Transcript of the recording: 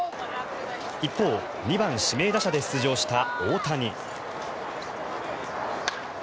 一方、２番指名打者で出場した大谷。